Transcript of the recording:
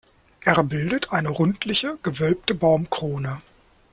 Er bildet eine rundliche, gewölbte Baumkrone.